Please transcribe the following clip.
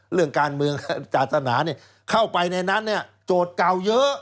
เรื่องการเมืองจาศนาเนี่ยเข้าไปในนั้นเนี่ยโจทย์กล่าวเยอะ